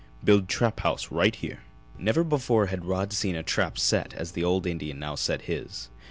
Build trap house right here!" Never before had Rod seen a trap set as the old Indian now set his.